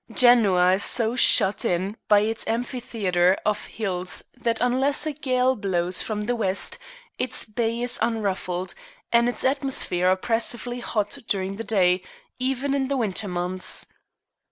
Genoa is so shut in by its amphitheatre of hills that unless a gale blows from the west its bay is unruffled, and its atmosphere oppressively hot during the day, even in the winter months.